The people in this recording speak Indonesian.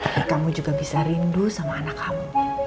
tapi kamu juga bisa rindu sama anak kamu